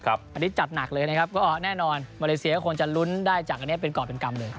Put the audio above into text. อันนี้จัดหนักเลยนะครับก็แน่นอนมาเลเซียก็คงจะลุ้นได้จากอันนี้เป็นกรอบเป็นกรรมเลย